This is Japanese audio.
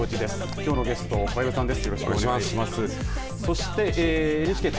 きょうのゲスト小籔さんです。